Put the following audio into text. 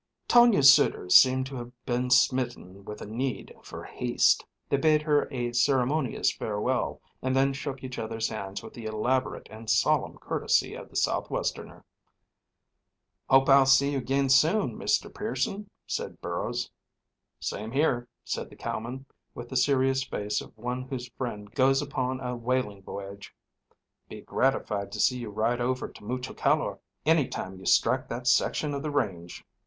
Tonia's suitors seemed to have been smitten with a need for haste. They bade her a ceremonious farewell, and then shook each other's hands with the elaborate and solemn courtesy of the Southwesterner. "Hope I'll see you again soon, Mr. Pearson," said Burrows. "Same here," said the cowman, with the serious face of one whose friend goes upon a whaling voyage. "Be gratified to see you ride over to Mucho Calor any time you strike that section of the range."